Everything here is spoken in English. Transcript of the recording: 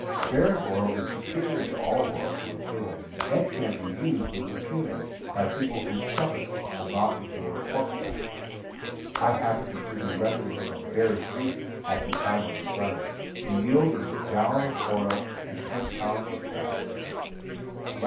Bear's oil is superior to olive oil for the table, and can be used with impunity by people whose stomachs will not endure pork fat. I happen to be rendering some bear's grease at the time of this writing. The yield is a gallon of oil to ten pounds of fat.